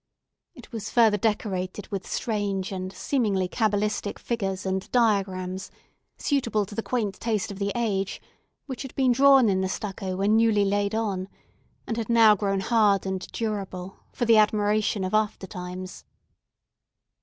It was further decorated with strange and seemingly cabalistic figures and diagrams, suitable to the quaint taste of the age which had been drawn in the stucco, when newly laid on, and had now grown hard and durable, for the admiration of after times.